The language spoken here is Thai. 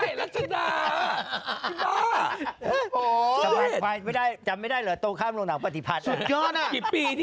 พี่บ้าโอ้โฮสุดยอดสะพานควายจำไม่ได้เหรอโตข้ามโรงหนักปฏิพันธ์